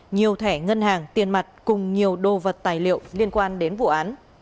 nhiều thẻ ngân hàng tiền mặt cùng nhiều đồ vật tài liệu liên quan đến vụ án